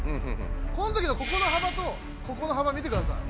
この時のここのはばとここのはば見てください。